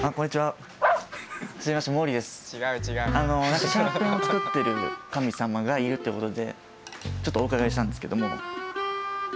なんかシャーペンを作ってる神様がいるということでちょっとお伺いしたんですけども神様で合ってますか？